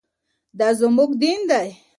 دا زموږ دین دی.